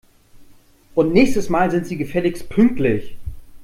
Und nächstes Mal sind Sie gefälligst pünktlich!